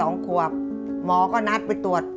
ก็ควบควบหมอก็นัดไปตรวจ